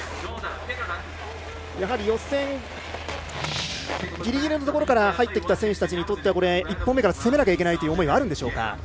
予選ギリギリのところから入ってきた選手にとっては１本目から攻めなきゃいけない思いがあるでしょうか。